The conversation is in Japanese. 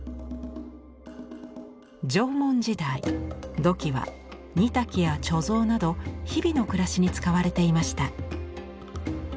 縄文時代土器は煮炊きや貯蔵など日々の暮らしに使われていました。